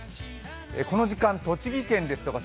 この時間栃木県ですとか